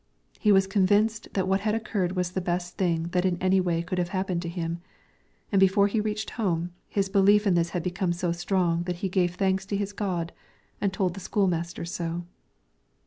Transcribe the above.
He was convinced that what had occurred was the best thing that in any way could have happened to him; and before he reached home, his belief in this had become so strong that he gave thanks to his God, and told the school master so.